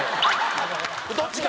どっちか。